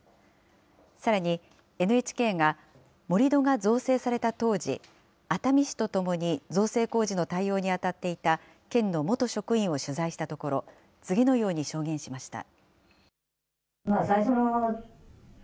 さらに、ＮＨＫが盛り土が造成された当時、熱海市と共に造成工事の対応に当たっていた県の元職員を取材したところ、次のように証言しました。